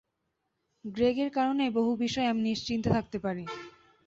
গ্রেগের কারণেই বহু বিষয়ে আমি নিশ্চিন্তে থাকতে পারি।